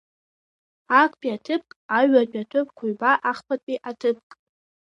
Актәи аҭыԥк, аҩбатәи аҭыԥқәа ҩба, ахԥатәи аҭыԥк.